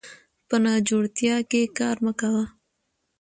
په ناجوړتيا کې کار مه کوه